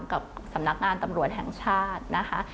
กับสำนักงานตำรวจแห่งชาตินะคะ